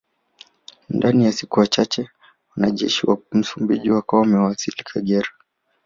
Ndani ya siku chache wanajeshi wa Msumbiji wakawa wamewasili Kagera